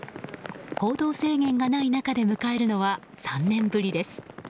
行動制限がない中で迎えるのは３年ぶりです。